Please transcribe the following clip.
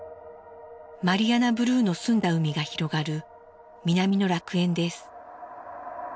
マリアナブルーの澄んだ海が広がる南の楽園です。